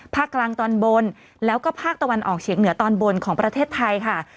ภาคกลางตอนบนแล้วก็ภาคตะวันออกเฉียงเหนือตอนบนของประเทศไทยค่ะ